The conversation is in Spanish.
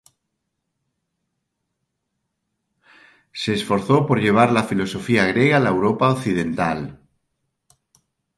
Se esforzó por llevar la filosofía griega a la Europa Occidental.